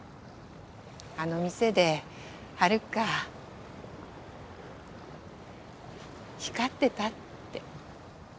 あの店でハルカ光ってたって。